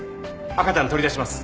赤ちゃん取り出します。